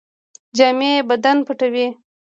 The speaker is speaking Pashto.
جامې بدن پټوي